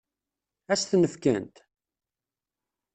Ad s-ten-fkent?